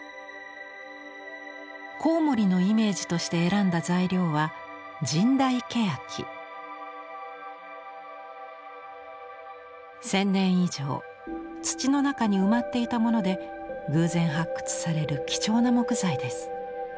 コウモリのイメージとして選んだ材料は１，０００年以上土の中に埋まっていたもので偶然発掘される貴重な木材です。